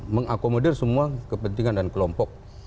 mengakomodir semua kepentingan dan kelompok